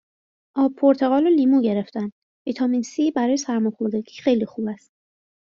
آب پرتقال و لیمو گرفتم ویتامین سی برای سرماخوردگی خیلی خوب است